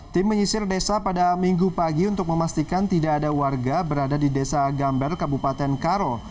tim menyisir desa pada minggu pagi untuk memastikan tidak ada warga berada di desa gambar kabupaten karo